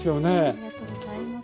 ありがとうございます。